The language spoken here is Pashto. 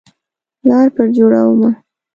لار پر جوړومه